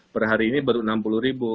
per hari ini baru enam puluh ribu